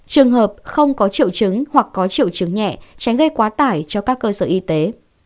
trường hợp không có triệu chứng hoặc có triệu chứng nhẹ tránh gây quá tải cho các cơ sở y tế